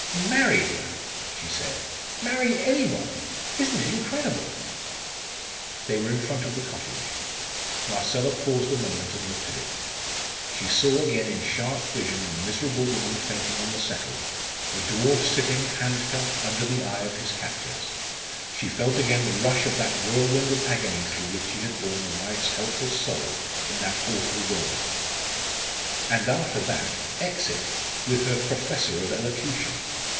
"Marry him!" she said. "Marry any one! Isn't it incredible?" They were in front of the cottage. Marcella paused a moment and looked at it. She saw again in sharp vision the miserable woman fainting on the settle, the dwarf sitting, handcuffed, under the eye of his captors; she felt again the rush of that whirlwind of agony through which she had borne the wife's helpless soul in that awful dawn. And after that exit! with her "professor of elocution."